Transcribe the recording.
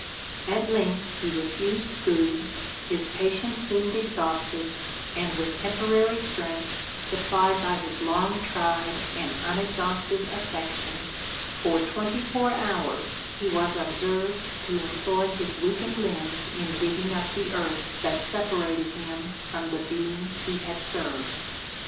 At length he refused food, his patience seemed exhausted, and with temporary strength, supplied by his long tried and unexhausted affection, for twenty four hours he was observed to employ his weakened limbs in digging up the earth that separated him from the being he had served.